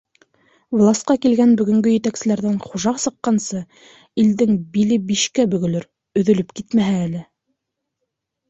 Власҡа килгән бөгөнгө етәкселәрҙән хужа сыҡҡансы, илдең биле бишкә бөгөлөр, өҙөлөп китмәһә әле...